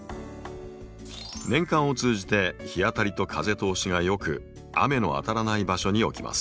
年間を通じて日当たりと風通しがよく雨の当たらない場所に置きます。